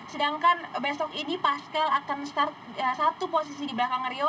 sedangkan besok ini pastel akan start satu posisi di belakang rio